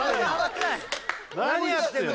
何やってんの！